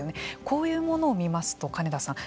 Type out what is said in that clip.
こういうものを見ますと金田さん